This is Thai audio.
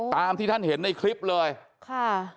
ตามที่ท่านเห็นในคลิปเลยค่ะ